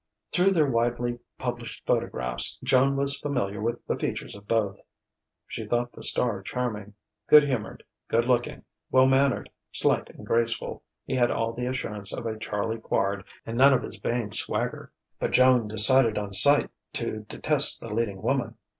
Through their widely published photographs Joan was familiar with the features of both. She thought the star charming; good humoured, good looking, well mannered, slight and graceful, he had all the assurance of a Charlie Quard and none of his vain swagger. But Joan decided on sight to detest the leading woman.